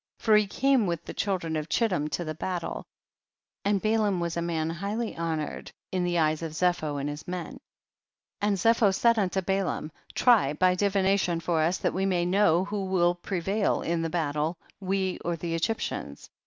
for he came with the children of Chittim to ihe battle, and Balaam was *a man highly honored in the eyes of Zepho and his men. 27. And Zepho said unto Balaam, try by divination for us that we may know who will prevail in the battle, we or the Egyptians.